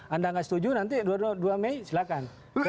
anda nggak setuju nanti dua puluh dua mei silahkan